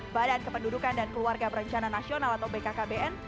badan kependudukan dan keluarga berencana nasional atau bkkbn